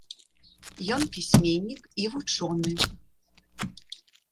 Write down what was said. Ён пісьменнік і вучоны.